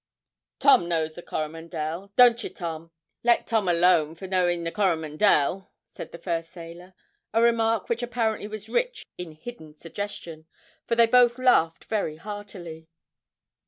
'Tom knows the "Coromandel," don't ye, Tom? Let Tom alone for knowing the "Coromandel!"' said the first sailor a remark which apparently was rich in hidden suggestion, for they both laughed very heartily.